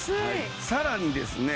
さらにですね